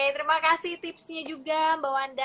terima kasih tipsnya juga mbak wanda